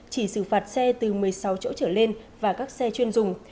chỉ xử phạt xe từ một mươi sáu chỗ trở lên và các xe chuyên dùng